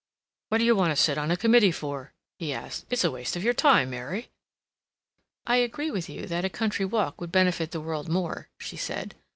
"What d'you want to sit on a committee for?" he asked. "It's waste of your time, Mary." "I agree with you that a country walk would benefit the world more," she said.